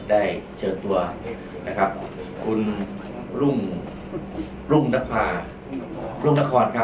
ได้เชิญตัวนะครับคุณรุ่งนภารุ่งนครครับ